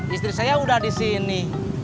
istri saya sudah di sini